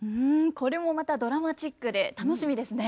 これもまたドラマチックで楽しみですね。